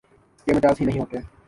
اس کے مجاز ہی نہیں ہوتے